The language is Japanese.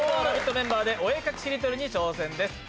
メンバーでお絵描きしりとりに挑戦です。